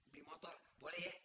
biar motor boleh ya